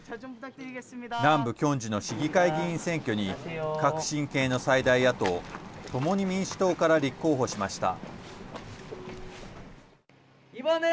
南部キョンジュの市議会議員選挙に革新系の最大野党共に民主党から立候補しました。